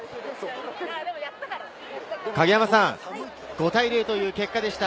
影山さん、５対０という結果でした。